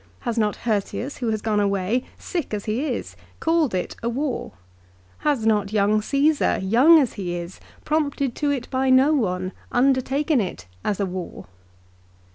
Has not Hirtius who has gone away, sick as he is, called it a war ? Has not young Cassar, young as he is, prompted to it by no one, undertaken it as a war